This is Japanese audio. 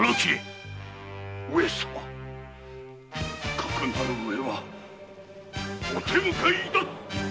かくなる上はお手向かいいたす！